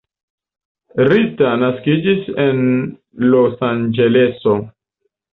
Rita naskiĝis en Losanĝeleso.